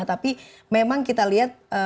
tapi memang kita lihat